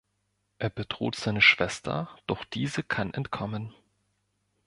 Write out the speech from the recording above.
Er bedroht seine Schwester, doch diese kann entkommen.